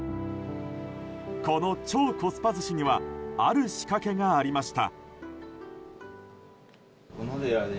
この超コスパ寿司にはある仕掛けがありました。